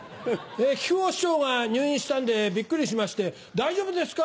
木久扇師匠が入院したんでビックリしまして大丈夫ですか？